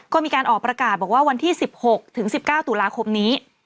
ก็มีการออกประกาศบอกว่าวันที่๑๖ถึง๑๙ตุลาคมนี้